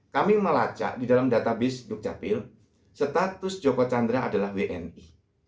kami melacak di dalam database dukcapil status joko chandra adalah wni